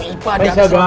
ipa dan sma ata